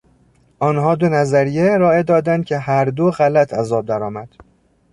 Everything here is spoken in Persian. آنها دو نظریه ارائه دادند که هر دو غلط از آب درآمد.